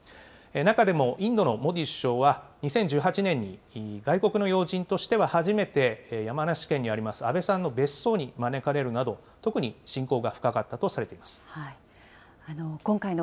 中でもインドのモディ首相は、２０１８年に外国の要人としては初めて山梨県にあります安倍さんの別荘に招かれるなど、特に親交が深かったとされています。